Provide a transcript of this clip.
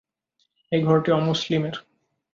এই ঘরটি অমুসলিমের।